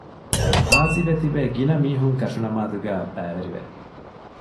ހާޒިވެތިބޭ ގިނަ މީހުން ކަށުނަމާދުގައި ބައިވެރި ވެ